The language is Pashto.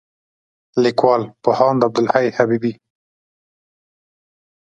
لیکوال: پوهاند عبدالحی حبیبي